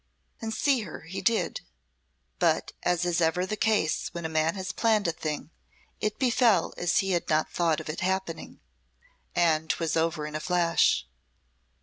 And see her he did, but as is ever the case when a man has planned a thing, it befell as he had not thought of its happening and 'twas over in a flash.